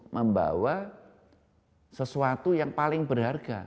membawa sesuatu yang paling berharga